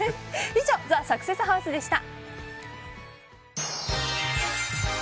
以上ＴＨＥサクセスハウスでした。